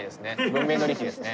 文明の利器ですね。